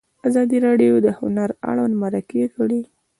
ازادي راډیو د هنر اړوند مرکې کړي.